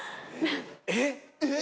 えっ？